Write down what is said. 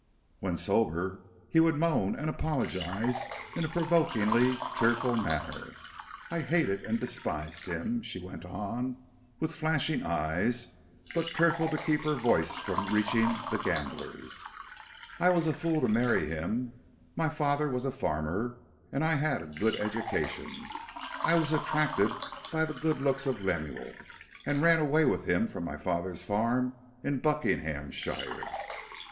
When sober, he would moan and apologize in a provokingly tearful manner. I hated and despised him," she went on, with flashing eyes, but careful to keep her voice from reaching the gamblers. "I was a fool to marry him. My father was a farmer, and I had a good education. I was attracted by the good looks of Lemuel, and ran away with him from my father's farm in Buckinghamshire."